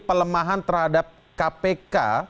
pelemahan terhadap kpk